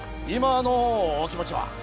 今のお気持ちは？